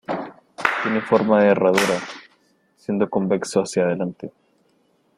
Tiene forma de herradura, siendo convexo hacia delante.